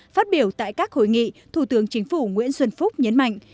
phát biểu tại các hội nghị thủ tướng chính phủ nguyễn xuân phúc nhấn mạnh